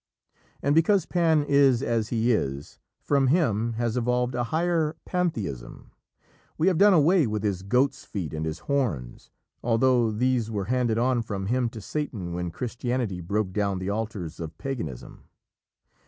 And because Pan is as he is, from him has evolved a higher Pantheism. We have done away with his goat's feet and his horns, although these were handed on from him to Satan when Christianity broke down the altars of Paganism.